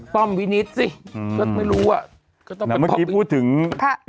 ฟร่อมวินิสสิอืมก็ไม่รู้อ่ะก็ต้องน้ำเมื่อกี้พูดถึงฮะ